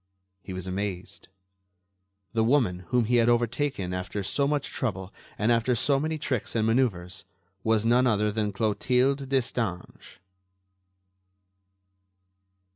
He was amazed. The woman, whom he had overtaken after so much trouble and after so many tricks and manœuvres, was none other than Clotilde Destange.